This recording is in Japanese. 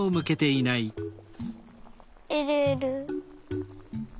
えるえる。